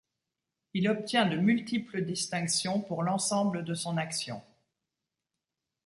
Il obtient de multiples distinctions pour l’ensemble de son action.